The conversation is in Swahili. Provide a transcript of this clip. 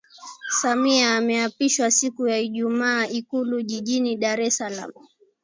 Samia ameapishwa siku ya Ijumaa ikulu jijini Dar es Salaam